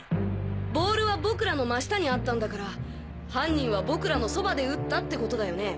ボールは僕らの真下にあったんだから犯人は僕らのそばで撃ったってことだよね？